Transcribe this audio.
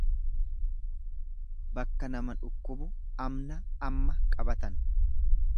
Bakka nama dhukkubu amna amma qabatan.